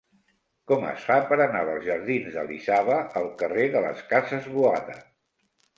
Com es fa per anar dels jardins d'Elisava al carrer de les Cases Boada?